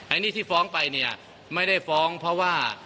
อันนี้ที่ฟ้องไปเนี่ยไม่ได้ฟ้องเพราะว่า